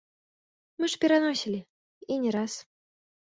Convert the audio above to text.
Мы ж пераносілі, і не раз.